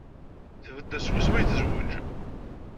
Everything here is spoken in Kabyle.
Tbeddel seg wasmi ay tezwej.